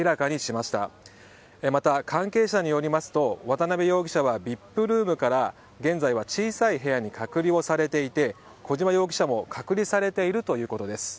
また、関係者によりますと渡辺容疑者はＶＩＰルームから現在は小さい部屋に隔離をされていて、小島容疑者も隔離されているということです。